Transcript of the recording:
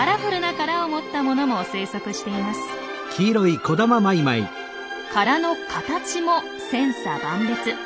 殻の形も千差万別。